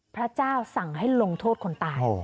พระเจ้าสั่งให้ลงโทษคนตาย